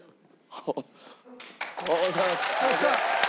あっ！